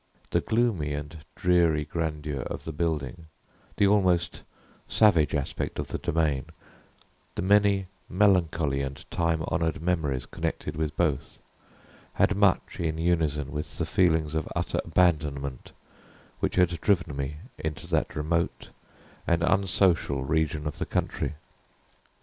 The gloomy and dreary grandeur of the building, the almost savage aspect of the domain, the many melancholy and time honored memories connected with both, had much in unison with the feelings of utter abandonment which had driven me into that remote and unsocial region of the country.